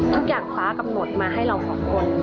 ทุกอย่างป๊ากำหนดมาให้เราขอบคุณ